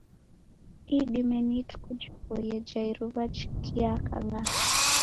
Idime ni ituku jipoie ja iruwa jikiaka ng'aa.